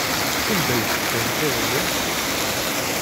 Sanda ay teddamt iḍelli?